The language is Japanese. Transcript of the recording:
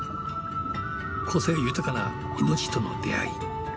個性豊かな命との出会い